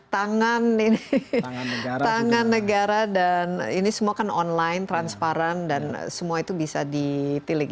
tangan ini tangan negara dan ini semua kan online transparan dan semua itu bisa ditilik